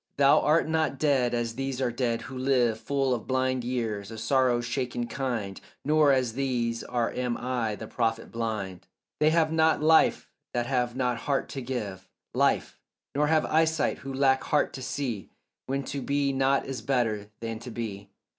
Thou art not dead as these are dead who live Full of blind years, a sorrow shaken kind, Nor as these are am I the prophet blind; They have not life that have not heart to give Life, nor have eyesight who lack heart to see When to be not is better than to be.